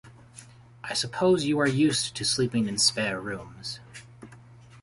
I suppose you are used to sleeping in spare rooms.